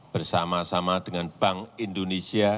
bersama sama dengan bank indonesia